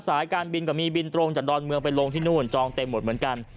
สายการบินก็มีบินตรงจากดอนเมืองไปลงที่นู่นจองเต็มหมดเหมือนกัน